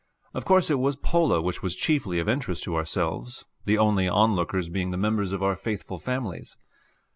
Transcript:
Of course it was polo which was chiefly of interest to ourselves, the only onlookers being the members of our faithful families.